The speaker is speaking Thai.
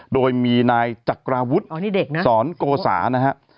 โดยมีนายจักราวุฒิสอนโกสานะฮะ